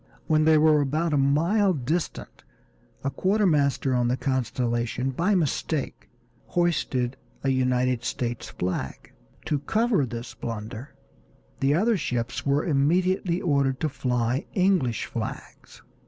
When they were about a mile distant a quartermaster on the Constellation, by mistake, hoisted a United States flag. To cover this blunder the other ships were immediately ordered to fly English flags.